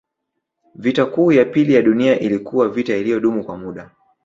Vita Kuu ya Pili ya Dunia ilikuwa vita iliyodumu kwa muda